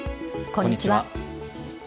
こんにちは。